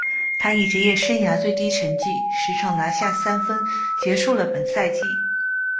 他以职业生涯最低成绩（十场拿下三分）结束了本赛季。